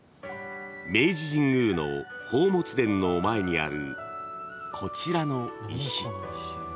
［明治神宮の宝物殿の前にあるこちらの石］